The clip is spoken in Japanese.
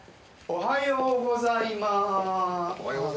おはようございます。